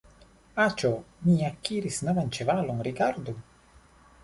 Aĉjo, mi akiris novan ĉevalon, rigardu!